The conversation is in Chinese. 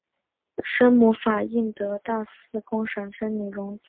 生母法印德大寺公审之女荣子。